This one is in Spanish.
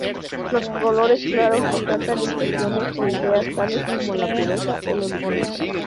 Los colores claros resaltan impresiones o ideas tales como la pureza o lo divino.